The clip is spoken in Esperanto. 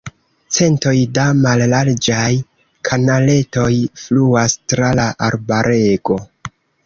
Centoj da mallarĝaj kanaletoj fluas tra la arbarego.